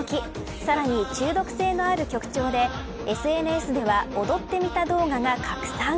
さらに、中毒性のある曲調でＳＮＳでは踊ってみた動画が拡散。